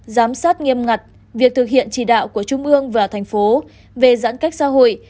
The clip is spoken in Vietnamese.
giám sát nghiêm ngặt việc thực hiện chỉ đạo của trung ương và thành phố về giãn cách xã hội